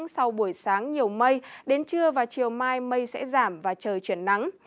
sau buổi sáng nhiều mây đến trưa và chiều mai mây sẽ giảm và trời chuyển nắng